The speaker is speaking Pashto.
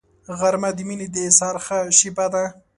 غرمه د مینې د اظهار ښه شیبه ده